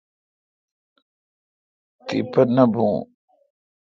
تیپہ نہ بھو۔